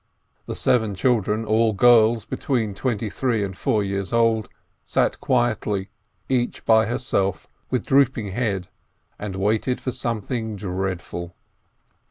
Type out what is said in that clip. The seven children, all girls, between twenty three and four years old, sat quietly, each by herself, with drooping head, and waited for something dreadful.